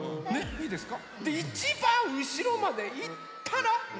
いいですか？